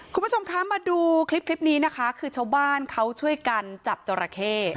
คุณผู้ชมคะมาดูคลิปนี้นะคะคือชาวบ้านเขาช่วยกันจับจราเข้